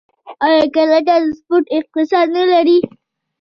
آیا کاناډا د سپورت اقتصاد نلري؟